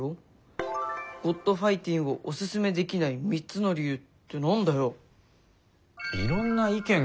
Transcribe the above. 「『ｇｏｄファイティン』をおススメできない３つの理由」って何だよ。